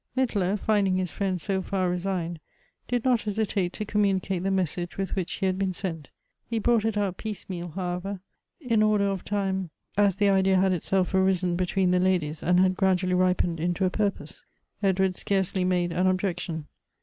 Mittler, finding his friend so far resigned, did not hesi tate to communicate the message with which ho had been sent. He brought it out piecemeal, however ; in order of time, as the idea had itself arisen between the ladies, and had gradually ripened into a purpose. Edward scarcely made an objection.